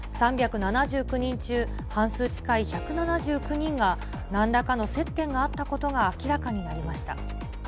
３７９人中、半数近い１７９人が、なんらかの接点があったことが明らかになりました。